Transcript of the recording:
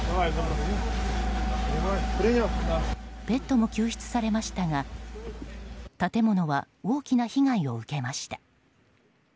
ペットも救出されましたが建物は大きな被害を受けました。